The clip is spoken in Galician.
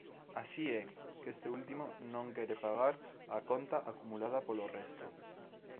Así é que este último non quere pagar a conta acumulada polo resto.